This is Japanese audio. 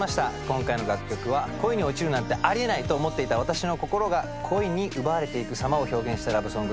今回の楽曲は恋に落ちるなんてあり得ないと思っていた私の心が恋に奪われていくさまを表現したラブソングとなっております。